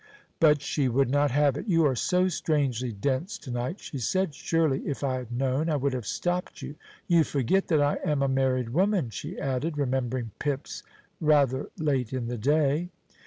But she would not have it. "You are so strangely dense to night," she said. "Surely, if I had known, I would have stopped you. You forget that I am a married woman," she added, remembering Pips rather late in the day.